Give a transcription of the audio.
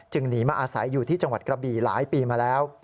หนีมาอาศัยอยู่ที่จังหวัดกระบี่หลายปีมาแล้ว